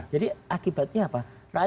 jadi akibatnya apa